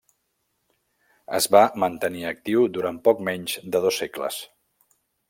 Es va mantenir actiu durant poc menys de dos segles.